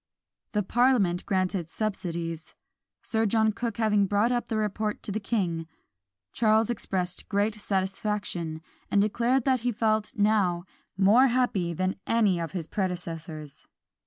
The parliament granted subsidies. Sir John Cooke having brought up the report to the king, Charles expressed great satisfaction, and declared that he felt now more happy than any of his predecessors.